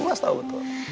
mas tau betul